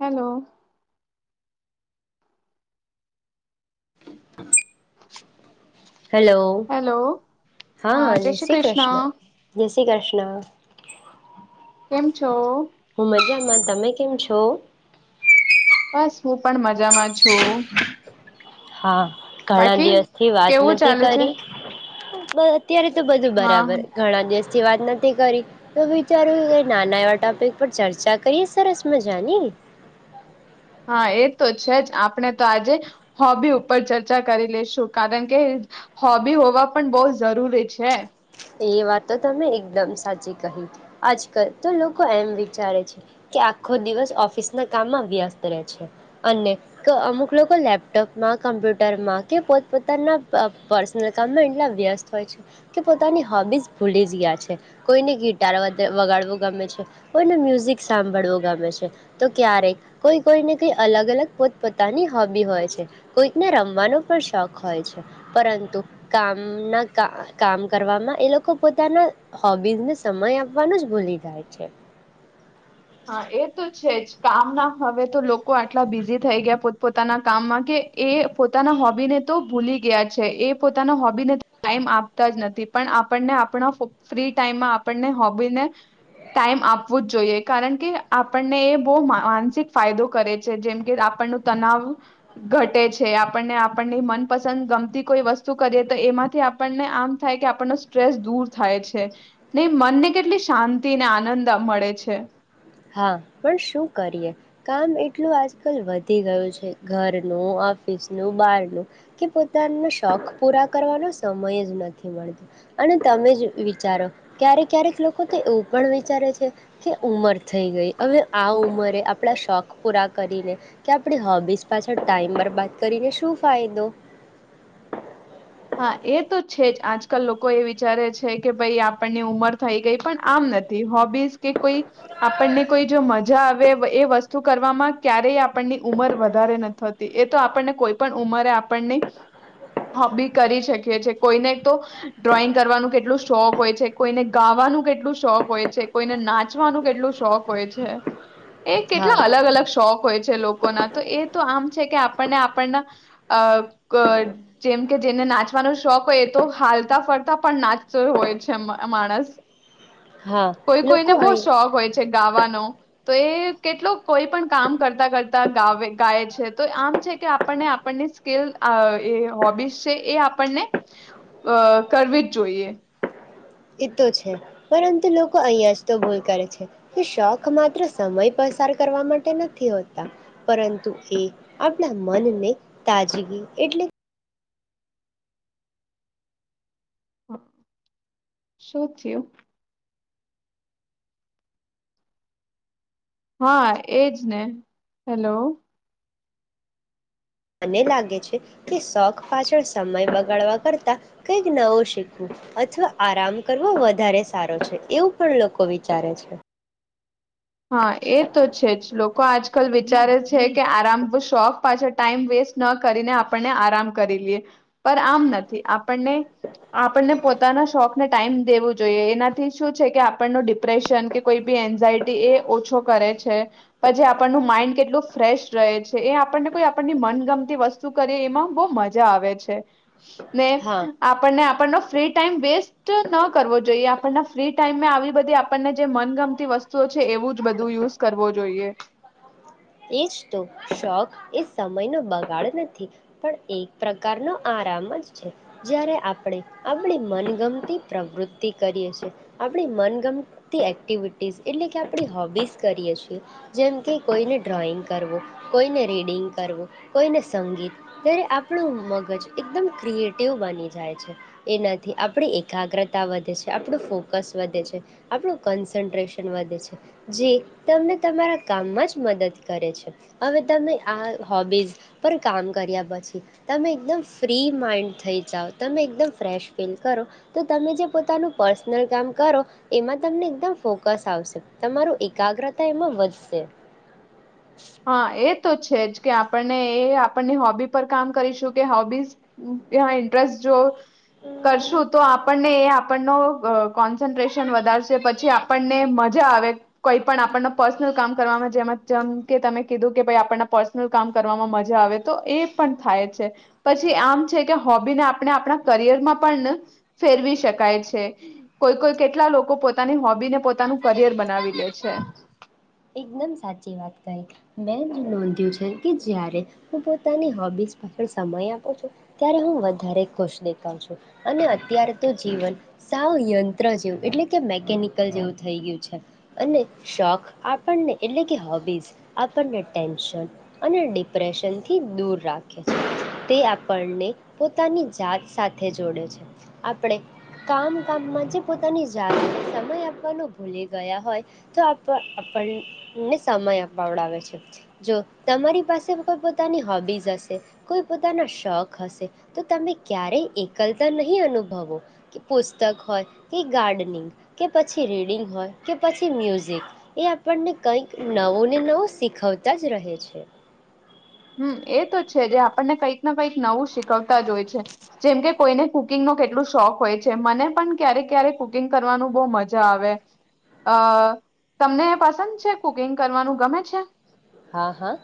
Hello [inaudible] hello hello હા જય શ્રી કૃષ્ણ જય શ્રી કૃષ્ણ કેમ છો હું મજામાં તમે કેમ છો છ બસ હું પણ મજામાં છું હા ઘણા બાકી દિવસ થી વાત કેવું નથી ચાલે છે કરી બ અત્યારે તો બધું હા બરાબર ઘણા દિવસ વાત નથી કરી તો વિચાર નાના એવા ટોપિક પર ચર્ચા કરીએ સરસ મજાની હા એ તો છે જ આપણે તો આજે હોબી ઉપર ચર્ચા કરી લેશું કારણ કે હોબી હોવા પણ બહુ જરૂરી છે એ વાતો તો તમે એકદમ સાચી કહી આજકાલ તો લોકો એમ વિચારે છે કે આખો દિવસ ઓફિસના કામમાં વ્યસ્ત રહે છે અને અમુક લોકો લેપટોપમાં કમ્પ્યુટરમાં કે પોતપોતાના પર્સનલ કામમાં એટલા વ્યસ્ત હોય છે કે, પોતાની હોબીઝ ભૂલી જ ગયા છે કોઈને ગિટાર વગાડવું ગમે છે કોઈને મ્યુઝિક સાંભળવું ગમે છે તો ક્યારેક કોઈ કોઈને કંઈ અલગ અલગ પોતપોતાની હોૉબી હોય છે કોઈકને રમવાનો પણ શોખ હોય છે પરંતુ કામના ક કામ વામાં એ લોકો પોતાના હોબીઝને સમય આપવાનું જ ભૂલી જાય છે હા એ તો છે જ કામ ના હવે તો લોકો આટલા બિઝી થઈ ગયા પોત પોતાના કામમાં કે એ પોતાના હોબી ને તો ભૂલી ગયા છે એ પોતાના હોબી ને ટાઈમ આપતા જ નથી પણ આપણને આપણા ફ્રી ટાઈમમાં આપણને હોબીને ટાઈમ આપવું જ જોઈએ કારણ કે આપણને એ બહુ માનસિક ફાયદો કરે છે જેમ કે આપણનું તનાવ ઘટે છે આપણને આપણને મનપસંદ ગમતી કોઈ વસ્તુ કરીએ તો એમાંથી આપણને આમ થાય કે આપણનો સ્ટ્રેસ દૂર થાય છે ને મનને કેટલી શાંતિ અનેને આનંદ મળે છે. હા પણ શું કરીએ કામ એટલું આજકાલ વધી ગયું છે ઘરનું ઓફિસનું બારનું કે પોતાનો શોખ પૂરા કરવાનો સમય જ નથી મળતો અને તમે જ વિચારો ક્યારેક ક્યારેક લોકો તો એવું પણ વિચારે છે કે ઉંમર થઈ ગઈ હવે આ ઉમરે આપણા શોખ પૂરા કરીને કે આપણી હોબીઝ પાછળ ટાઈમર બાદ કરીને શું ફાયદો હા એ તો છે જ આજકાલ લોકો એ વિચારે છે કે ભાઈ આપણની ઉંમર થઈ ગઈ પણ આમ નથી હોબીઝ કે કોઈ આપણને કોઈ જો મજા આવે એ વસ્તુ કરવામાં ક્યારેય આપણની ઉંમર વધારે નતી એ [unintelligible] આપણને કોઈ પણ ઉંમરે આપણની હોબી કરી શકીએ છીએ કોઈને તો ડ્રોઈંગ કરવાનું કેટલું શોખ હોય છે. કોઈને ગાવાનું કેટલું શોખ હોય છે. કોઈને નાચવાનું કેટલું શોખ હોય છે. એ હા કેટલા અલગ અલગ શોખ હોય છે. લોકો તો એ આમ છે. કે આપણને આપણ જેમ. કે જેને નાચવાનો શોખ હોય એ તો હાલતા ફરતા પણ નાચતો હોય છે માણસ. હા કોઈ લોકો કોઈને બહુ અહીં શોખ હોય છે. ગાવાનો તો એ કેટલો કોઈ પણ કામ કરતા કરતા ગાય. ગાય છે તો આમ છે. કે આપણને સ્કીલ એ હોબીસ. એ આપણને અ કરવી જ જોઈએ. એ તો છે પરંતુ લોકો અહીિયાં જ તો ભૂલ કરે છે. કે શોખ માત્ર સમય પસાર કરવા માટે નથી હોતા પરંતુ એ આપણા મનને તાજગી એટલે. શું થયું [unintelligible] હા એજ ને હેલો. મને લાગે છે કે શોખ પાછળ સમય બગાડવા કરતાં કંઈક નવો શીખવું અથવા આરામ કરવો વધારે સારો છે. એવું પણ લોકો વિચારે છે. હા એ તો છે. જ લોકો આજકાલ વિચારે છે કે આરામ શોખ પાછળ ટાઈમ વેસ્ટ ન કરીને આપણને આરામ કરી લઈએ પર આમ નથી. આપ આપણને પોતાના શોખને ટાઈમ દેવો. જોઈએ એનાથી શું છે કે આપણ ન ડિપ્રેશન કે કોઈ બી એન્ઝાયટી એ ઓછો કરે છે, પછી આપણનું માઈન્ડ કેટલું ફ્રેશ રહે છે, એ આપણને કોઈ આપણની મનગમતી વસ્તુ કરી એમાં બહ મજા આવે છે ને હા આપણને આપણનો ફ્રી ટાઈમ વેસ્ટ ન કરવો જોઈએ આપણને ફ્રી ટાઈમમાં આવી બધી આપણને જે મનગમતી વસ્તુ તો છે એવું જ બધું યુઝ કરવો જોઈએ એ જ તો શોખ એ સમયનો બગાડ નથી પણ એક પ્રકારનો આરામ જ છે, જ્યારે આપણે આપણી મનગમતી પ્રવૃત્તિ કરીએ છીએ, આપણી મનગમતી એક્ટિવિટીસ એટલે કે આપણી હોબીસ કરીએ છીએ જેમ કે કોઈને ડ્રોઈંગ કરવું, કોઈને રીડિંગ કરવું, કોઈને સંગીત, ત્યારે આપણું મગજ એકદમ ક્રિએટિવ બની જાય છે, એનાથી આપણી એકાગ્રતા વધે છે, આપણું ફોકસ વધે છે, આપણું કન્સન્ટ્રેશન વધે છે, જે તમને તમારા કામમાં જ મદદ કરે છે હવે તમે આ હોબીઝ પર કામ કર્યા પછી તમે એકદમ ફ્રી માઇન્ડ થઈ જાઓ તમે એકદમ ફ્રેશ ફીલ કરો તો તમે જે પોતાનું પર્સનલ કામ કરો એમાં તમને એકદમ ફોકસ આવશે તમારું એકાગ્રતા એમાં વધશે હા એ તો છે જ કે આપણને એ આપણને હોબી પર કામ કરીશું કે હોબી ઇન્ટરેસ્ટ જો કરશું તો આપણને એ આપણનો કોન્સન્ટ્રેશન વધારશે પછી આપણને મજા આવે કોઈ પણ આપણને પર્સનલ કામ કરવામાં જેમ જેમ કે તમે કીધું કે ભાઈ આપણના પર્સનલ કામ કરવામાં મજા આવે તો એ પણ થાય છે, પછી આમ છે કે હોબીને આપણે આપણા કરિયરમાં પણ ફેરવી શકાય છે, કોઈ કોઈ કેટલા લોકો પોતાની હોબીને પોતાનું કરિયર બનાવી લે છે એકદમ સાચી વાત કરી મેં નોંધ્યું છે કે જ્યારે હું પોતાની હોબીસ પાછળ સમય આપું છું ત્યારે હું વધારે ખુશ દેખાવ છું. અને અત્યારે તો જીવન સાવ યંત્ર જેવું એટલે કે મેકેનિકલ જેવું થઈ ગયું છે. અને શોખ આપ આપણને એટલે કે હોબીઝ આપણને ટેન્શન અને ડિપ્રેશનથી દૂર રાખે છે. તે આપણને પોતાની જાત સાથે જોડે છે. આપણે કામ કામમાં જે પોતાની જાતને સમય આપવાનો ભૂલી ગયા હોય તો આપ પણને સમય આપડાવે છે. જો તમારી પાસે કોઈ પોતાની હોબીઝ હશે કોઈ પોતાના શોખ હશે, તો તમે ક્યારેય એકલતા નહીં અનુભવો કે પુસ્તક હોય, કે ગાર્ડનિંગ કે, પછી રીડિંગ હોય, કે પછી મ્યુઝિક, એ આપણને કંઈક નવો ને નવો શીખવતા જ રહે છે હમ્મ એ તો છે જે આપણને કંઈક ને કંઈક નવું શીખવતા જ હોય છે, જેમ કે કોઈને કુકિંગ ન કેટલું શોખ હોય છે, મને પણ ક્યારે ક્યારેક કુકિંગ કરવાનું બહ મજા આવે, અ તમને પસંદ છે કુકિંગ કરવાનું ગમે છે? હા, હા,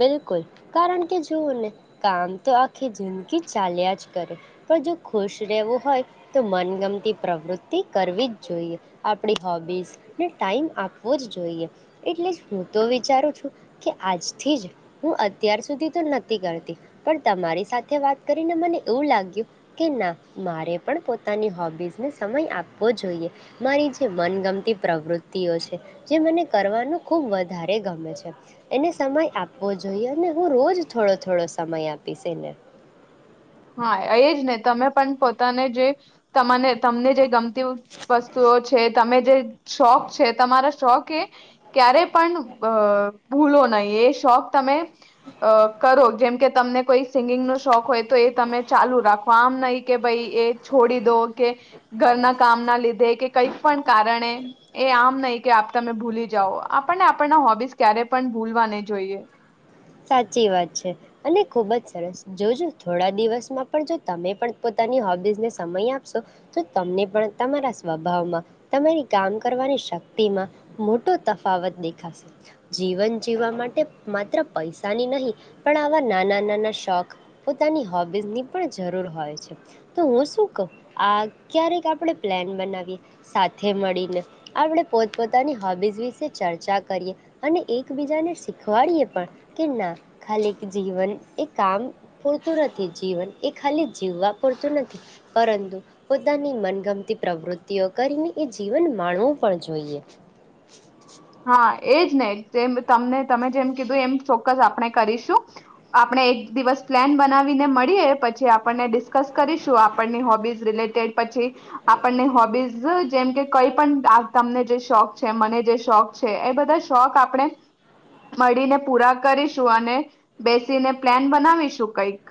બિલકુલ કારણ કે જઓ ને કામ તો આખી જિંદગી ચાલ્યા જ કરે, પણ જો ખુશ રહેવું હોય તો મનગમતી પ્રવૃતિ કરવી જ જોઈએ, આપણી હોબીસ ને ટાઈમ આપવો જ જોઈએ. એટલે જ હું તો વિચારું છું કે આજથી જ હું અત્યાર સુધી તો નથી કરતી પણ તમારી સાથે વાત કરીને મને એવું લાગ્યું કે ના મારે પણ પોતાની હોબીઝને સમય આપવો જોઈએ‌, મારી જે મનગમતી પ્રવૃત્તિઓ છે જે મને કરવાનું ખૂબ વધારે ગમે છે એને સમય આપવો જોઈએ અને હું રોજ થોડો થોડો સમય આપીશ એને હા એ જ ને તમે પણ પોતાને જે તને તમને જે ગમતી વસ્તુઓ છે, તમે જે શોખ છે, તમારા શોખ એ ક્યારે પણ ભૂલો નહીં, એ શોખ તમે કરો જેમ કે તમને કોઈ સિંગિંગ નો શોખ હોય તો એ તમે ચાલુ રાખો, આમ નહી કે ભાઈ એ છોડી દો કે ઘરના કામ ના લીધે કે કંઈ પણ કારણે એ આમ નહી કે તમે ભૂલી જાઓ આપણને આપણના હોબીસ ક્યારે પણ ભૂલવા નહી જોઈએ સાચી વાત છે, અને ખુબ જ સરસ જોજો થોડા દિવસમાં પણ જો તમે પણ પોતાની હોબીસને સમય આપશો તો તમને પણ તમારા સ્વભાવમાં, તમારી કામ કરવાની શક્તિમાં, મોટો તફાવત દેખાશે જીવન જીવવા માટે માત્ર પૈસાની નહીં પણ આવા નાના નાના શોખ પોતાની હોબીઝની પણ જરૂર હોય છે, તો હું શું કહું આ ક્યારેક આપણે પ્લાન બનાવીએ સાથે મળીને આપણે પોતપોતાની હોબીઝ વિશે ચર્ચા કરીએ, અને એકબીજાને શીખવાડીએ પણ કે ના ખાલી જીવન એ કામ પૂરતું નથી, જીવન એ ખાલી જીવવા પૂરતું નથી, પરંતુ પોતાની મનગમતી પ્રવૃતિઓ કરીને એ જીવન માણવું પણ જોઈએ હા, એજ ને જેમ તમને તમે જેમ કીધું એમ ચોક્કસ આપણે કરીશું, આપણે એક દિવસ પ્લાન બનાવીને મળીએ પછી આપણને ડિસ્કસ કરીશું, આપણની હોબીઝ રિલેટેડ પછી આપણને હોબીઝ જેમ કે કઈ પણ તમને જે શોખ છે, મને જે શોખ છે, એ બધા શોખ આપણે મળીને પૂરા કરીશું અને બેસીને પ્લાન બનાવીશું કંઈક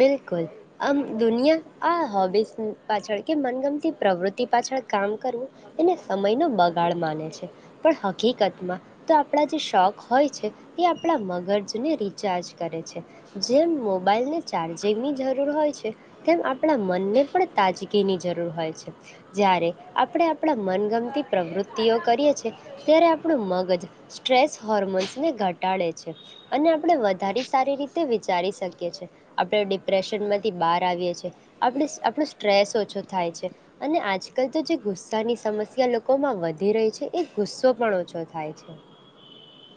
બિલકુલ આમ દુનિયા આ હોબીસ પાછળ કે મનગમતી પ્રવૃત્તિ પાછળ કામ કરવું એને સમયનો બગાડ માને છે પણ હકીકતમાં તો આપણા જે શોખ હોય છે, એ આપણા મગજને રિચાર્જ કરે છે. જેમ મોબાઈલને ચાર્જિંગની જરૂર હોય છે, તેમ આપણા મનને પણ તાજગીની જરૂર હોય છે, જ્યારે આપણે આપણા મનગમતી પ્રવૃત્તિઓ કરીએ છે ત્યારે આપણું મગજ સ્ટ્રેસ હોર્મોન્સને ઘટાડે છે. અને આપણે વધારે સારી રીતે વિચારી શકીએ છીએ આપણે ડિપ્રેશનમાંથી બહાર આવીએ છીએ, આપ આપણો સ્ટ્રેસ ઓછો થાય છે, અને આજકાલ તો જે ગુસ્સાની સમસ્યા લોકોમાં વધી રહી છે એ ગુસ્સો પણ ઓછો થાય છે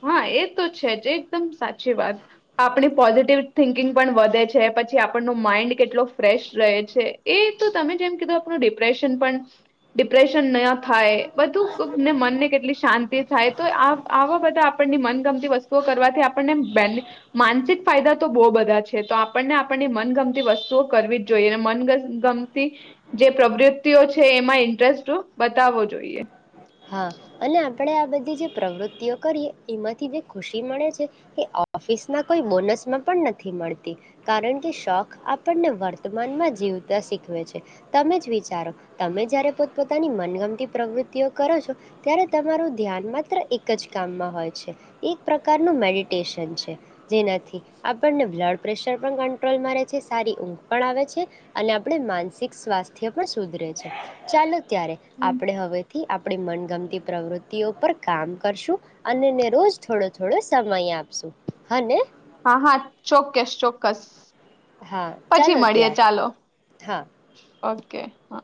હા, એ તો છે જ એકદમ સાચી વાત આપણી પોઝિટિવ થિંકિંગ પણ વધે છે, પછી આપણનો માઇન્ડ કેટલો ફ્રેશ રહે છે, એ તો તમે જેમ કીધું આપણું ડિપ્રેશન પણ ડિપ્રેશન ન થાય બધું ને મનને કેટલી શાંતિ થાય તો આવા બધાં આપણની મનગમતી વસ્તુ કરવાથી આપણને બેની માનસિક ફાયદા તો બહુ બધા છે, તો આપણને આપણની મનગમતી વસ્તુઓ કરવી જ જોઈએ મનગમતી જે પ્રવૃતિઓ છે એમાં ઇન્ટરેસ્ટ બતાવવો જોઈએ હા, અને આપણે આ બધી જે પ્રવૃતિઓ કરીએ એમાંથી જે ખુશી મળે છે એ ઓફિસમાં કોઈ બોનસમાં પણ નથી મળતી, કારણ કે શોખ આપણને વર્તમાનમાં જીવતા શીખવે છે, તમે જ વિચારો તમે જયારે પોતપોતાની મનગમતી પ્રવૃત્તિઓ કરો છો ત્યારે તમારું ધ્યાન માત્ર એક જ કામમાં હોય છે, એક પ્રકારનું મેડિટેશન છે, જેનાથી આપણને બ્લડ પ્રેશર પણ કંટ્રોલમાં રહે છે, સારી ઊંઘ પણ આવે છે, અને આપણે માનસિક સ્વાસ્થ્ય પણ સુધરે છે, ચાલો ત્યારે હમ. આપણે હવેથી થી આપણી મનગમતી પ્રવૃત્તિઓ પર કામ કરશું અને રોજ થોડો થોડો સમય આપશું, હને! હા, હા, ચોક્કસ ચોક્કસ હા પછી ચાલો મળીએ ત્યારે ચાલો હા ઓકે હા